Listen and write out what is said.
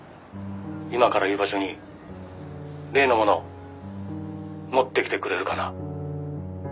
今から言う場所に例のもの持ってきてくれるかな？」